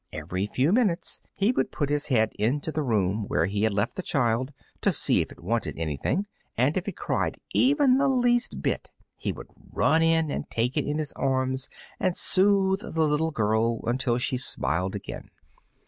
Every few minutes he would put his head into the room where he had left the child, to see if it wanted anything, and if it cried even the least bit he would run in and take it in his arms and soothe the little girl until she smiled again.